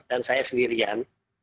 dan saya sendirian